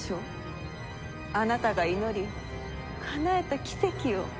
あなたが祈りかなえた奇跡を。